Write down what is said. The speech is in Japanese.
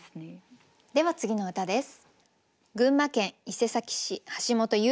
では次の歌です。